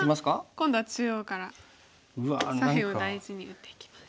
今度は中央から左辺を大事に打っていきます。